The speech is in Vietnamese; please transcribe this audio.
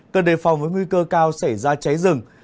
cần đề phòng với nguy cơ cao xảy ra cháy rừng